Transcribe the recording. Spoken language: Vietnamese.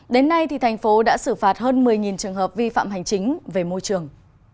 đến nay thành phố đã xử phạt hơn một mươi trường hợp vi phạm hành chính về môi trường